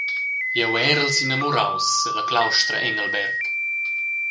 «Jeu erel s’inamuraus –ella claustra Engelberg.»